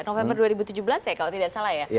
november dua ribu tujuh belas ya kalau tidak salah ya